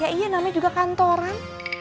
ya iya namanya juga kantoran